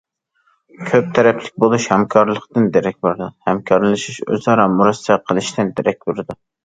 كۆپ تەرەپلىك بولۇش ھەمكارلىقتىن دېرەك بېرىدۇ، ھەمكارلىشىش ئۆزئارا مۇرەسسە قىلىشتىن دېرەك بېرىدۇ.